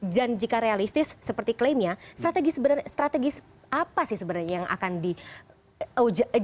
dan jika realistis seperti klaimnya strategi apa sih sebenarnya yang akan dijauhkan